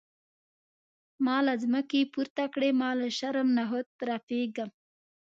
ما له ځمکې پورته کړي ما له شرم نخوت رپیږم.